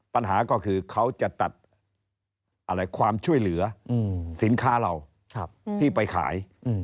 ปัญหาก็คือเขาจะตัดความช่วยเหลือสินค้าเราที่ไปขาย